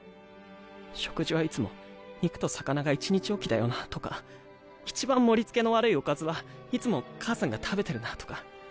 食事はいつも肉と魚が１日置きだよなとかいちばん盛りつけの悪いおかずはいつも母さんが食べてるなとか。